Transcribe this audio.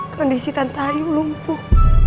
kondisi tante ayu lumpuh